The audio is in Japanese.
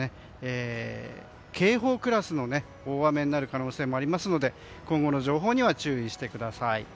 警報クラスの大雨になる可能性もありますので今後の情報には注意してください。